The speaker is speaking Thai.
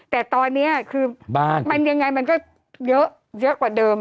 แต่ตอนนี้คือมันยังไงมันก็เยอะกว่าเดิม